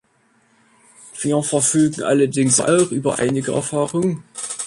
Wir verfügen allerdings auch über einige Erfahrung.